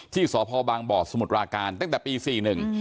ที่สภบสมุทราการตั้งแต่ปี๔๑